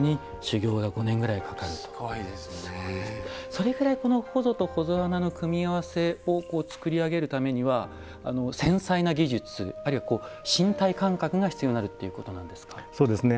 それぐらいこのほぞとほぞ穴の組み合わせを作り上げるためには繊細な技術あるいは身体感覚が必要になるということなんですか。